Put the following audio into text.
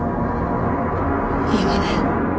いいわね？